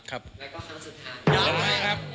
แล้วก็ครั้งสุดท้าย